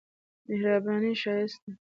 مهرباني ښايست ده.